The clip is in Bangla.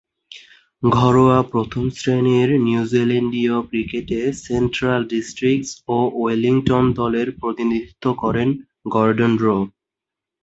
ঘরোয়া প্রথম-শ্রেণীর নিউজিল্যান্ডীয় ক্রিকেটে সেন্ট্রাল ডিস্ট্রিক্টস ও ওয়েলিংটন দলের প্রতিনিধিত্ব করেন গর্ডন রো।